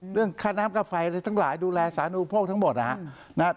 เรื่องค่าน้ำค่าไฟอะไรทั้งหลายดูแลสารอุโภคทั้งหมดนะครับ